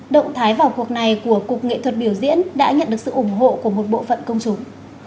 động thái vào cuộc này của cục nghệ thuật biểu diễn đã nhận được sự ủng hộ của một bộ phận công chúng